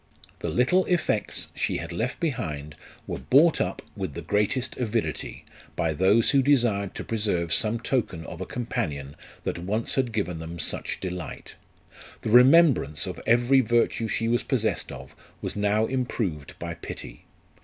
The little effects she had left behind were bought up with the greatest avidity, by those who desired to preserve some token of a companion, that once had given them such delight. The remembrance of every virtue she was possessed of was now improved by pity.